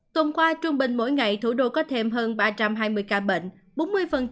tuần qua trung bình mỗi ngày thủ đô có thêm hơn ba trăm hai mươi ca bệnh